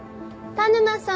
田沼さん